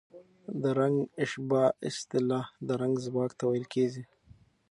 د رنګ اشباع اصطلاح د رنګ ځواک ته ویل کېږي.